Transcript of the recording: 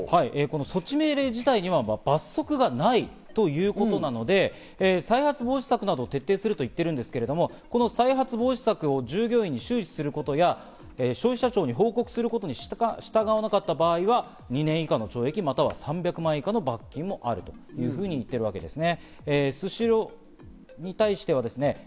措置命令自体には罰則がないということなので、再発防止策などを徹底していると言っているんですけど、この再発防止策を従業員に周知することや、消費者庁に報告することに従わなかった場合は２年以下の懲役、３００万円以下の罰金もあるということです。